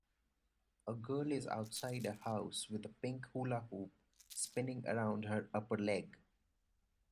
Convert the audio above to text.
A girl is outside a house with a pink hula hoop spinning around her upper leg.